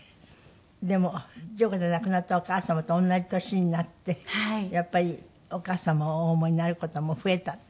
でも事故で亡くなったお母様と同じ年になってやっぱりお母様をお思いになる事も増えたとか。